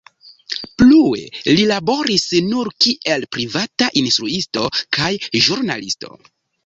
Plue li laboris nur kiel privata instruisto kaj ĵurnalisto.